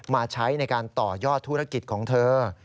มาใช้ในการต่อยอดธุรกิจของเธอ